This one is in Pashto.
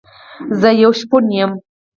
زه يو شپون يم